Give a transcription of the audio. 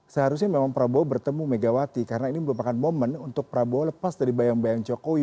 seharusnya memang prabowo bertemu megawati karena ini merupakan momen untuk prabowo lepas dari bayang bayang jokowi